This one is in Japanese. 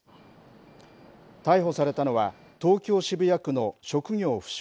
逮捕されたのは東京、渋谷区の職業不詳